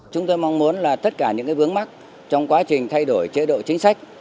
chúng tôi mong muốn là tất cả những vướng mắt trong quá trình thay đổi chế độ chính sách